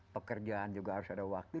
pekerjaan juga harus ada waktu